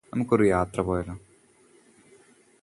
നമുക്കൊരു യാത്ര പോയാലോ?